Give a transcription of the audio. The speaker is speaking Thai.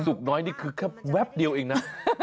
กน้อยนี่คือแค่แวบเดียวเองนะ